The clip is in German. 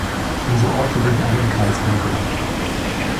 Diese Orte liegen alle im Kreis Paderborn.